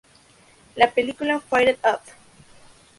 La película Fired Up!